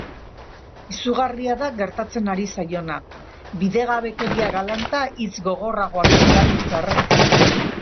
Izugarria da gertatzen ari zaiona, bidegabekeria galanta hitz gogorragoak ez erabiltzearren.